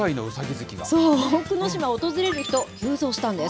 そう、大久野島を訪れる人、急増したんです。